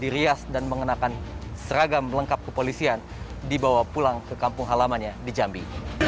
dirias dan mengenakan seragam lengkap kepolisian dibawa pulang ke kampung halamannya di jambi